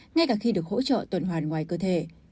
ngay cả khi được hỗ trợ tuần hoàn ngoài cơ thể